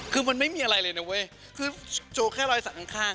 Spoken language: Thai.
คือมันไม่มีอะไรเลยนะเว้ยคือโชว์แค่รอยสักข้าง